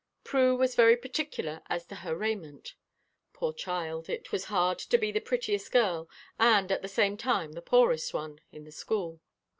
Prue was very particular as to her raiment; poor child, it was hard to be the prettiest girl, and at the same time the poorest one, in the school.